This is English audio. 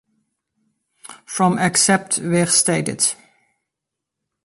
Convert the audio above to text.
"From except where stated"